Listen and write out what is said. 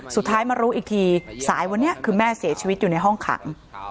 สุดท้ายมารู้อีกทีสายวันนี้คือแม่เสียชีวิตอยู่ในห้องขัง